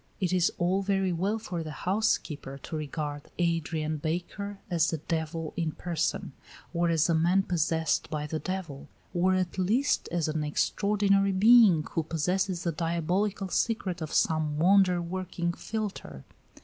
It is all very well for the housekeeper to regard Adrian Baker as the devil in person, or as a man possessed by the devil, or at least as an extraordinary being, who possesses the diabolical secret of some wonder working philtre.